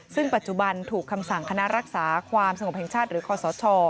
ซึ่งปัจจุบันถูกคำสั่งคณะรักษาความสงบแห่งชาติหรือคอสช